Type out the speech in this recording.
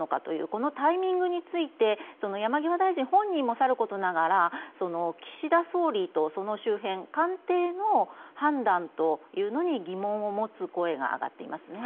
このタイミングについて山際大臣本人もさることながら岸田総理と周辺、官邸の判断に疑問を持つ声が上がっていますね。